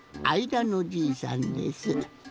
あいだのじいさんです。